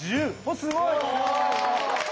すごい！